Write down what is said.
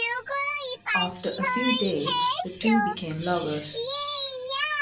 After a few dates, the two became lovers.